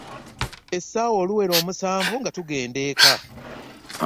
Essaawa oluwera omusanvu nga tugenda eka.